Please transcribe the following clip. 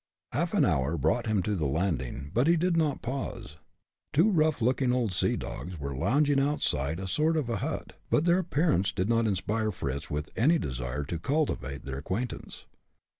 Half an hour brought him to the landing, but he did not pause. Two rough looking old sea dogs were lounging outside a sort of a hut, but their appearance did not inspire Fritz with any desire to cultivate their acquaintance.